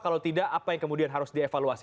kalau tidak apa yang kemudian harus dievaluasi